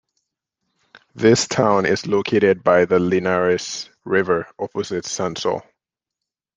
This town is located by the Linares River opposite Sansol.